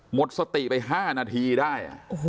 หมดสติไป๕นาทีได้